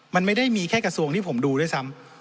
มันไม่ได้มีแค่กระทรวงที่ผมดูด้วยซ้ำ